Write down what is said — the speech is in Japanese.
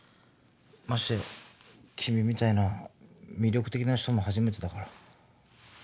まして君みたいな魅力的な人も初めてだから。